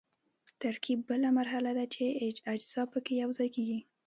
ترکیب بله مرحله ده چې اجزا پکې یوځای کیږي.